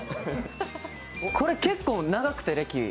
これ、結構長くて、歴。